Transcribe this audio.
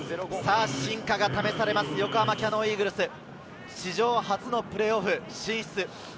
真価が試される横浜キヤノンイーグルス、史上初のプレーオフ進出。